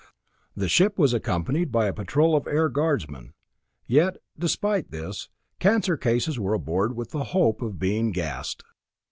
The ship was accompanied by a patrol of Air Guardsmen. Yet, despite, this, cancer cases were aboard with the hope of being gassed.